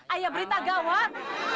ayah berita gawat